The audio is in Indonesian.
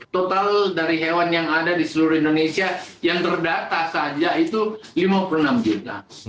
total dari hewan yang ada di seluruh indonesia yang terdata saja itu lima puluh enam juta